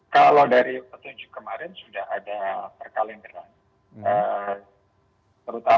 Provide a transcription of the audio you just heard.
kalau dari petunjuk kemarin sudah ada perkalenderan